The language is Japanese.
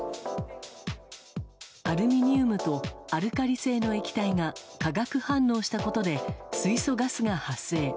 アルミニウムとアルカリ性の液体が化学反応したことで水素ガスが発生。